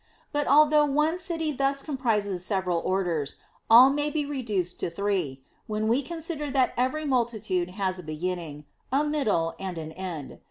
But although one city thus comprises several orders, all may be reduced to three, when we consider that every multitude has a beginning, a middle, and an end.